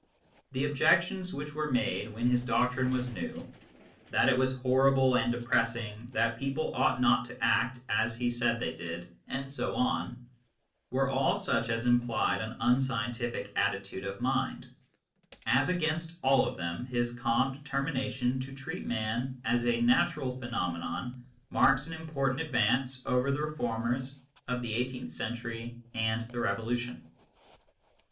The objections which were made when his doctrine was new that it was horrible and depressing, that people ought not to act as he said they did, and so on were all such as implied an unscientific attitude of mind ; as against all of them, his calm determination to treat man as a natural phenomenon marks an im portant advance over the reformers of the eighteenth century and the Revolution.